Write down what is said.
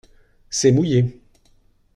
C’est mouillé.